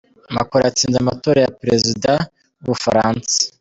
Macron yatsinze amatora ya Perezida w’ u Bufaransa .